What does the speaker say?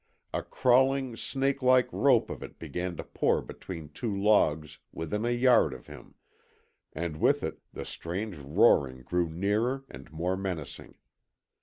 A crawling, snake like rope of it began to pour between two logs within a yard of him, and with it the strange roaring grew nearer and more menacing.